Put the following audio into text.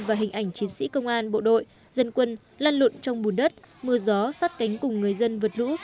và hình ảnh chiến sĩ công an bộ đội dân quân lan lụn trong bùn đất mưa gió sát cánh cùng người dân vượt lũ